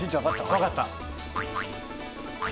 分かった。